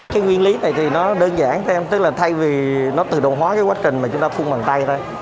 cái nguyên lý này thì nó đơn giản thêm tức là thay vì nó tự động hóa cái quá trình mà chúng ta phun bằng tay thôi